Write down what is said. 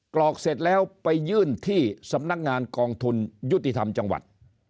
กรอกเสร็จแล้วไปยื่นที่สำนักงานกองทุนยุติธรรมจังหวัด